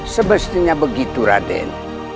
sebestinya begitu raden